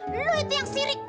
lu itu yang sirik